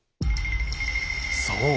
そう。